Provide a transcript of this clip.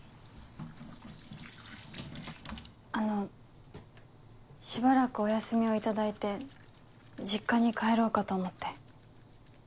あのしばらくお休みを頂いて実家に帰ろうかと思って。